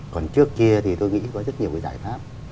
còn trước kia thì tôi nghĩ có rất nhiều cái giải pháp